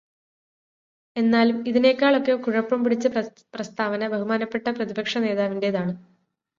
എന്നാലും ഇതിനേക്കാളൊക്കെ കുഴപ്പം പിടിച്ച പ്രസ്താവന ബഹുമാനപ്പെട്ട പ്രതിപക്ഷനേതാവിന്റേതാണ്.